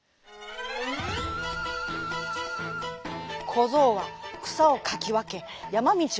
こぞうはくさをかきわけやまみちをかけおり